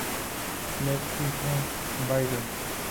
Les Isles-Bardel